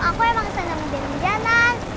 aku emang senang udah hujanan